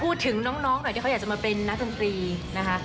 พูดถึงน้องหน่อยที่เขาอยากจะมาเป็นนักดนตรีนะคะ